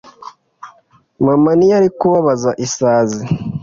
Mama ntiyari kubabaza isazi.